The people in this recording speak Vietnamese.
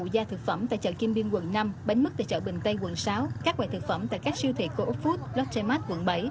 đoàn đã kiểm tra tại các sạch dân dân